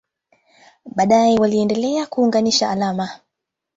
Baadaye waliendelea kuunganisha alama.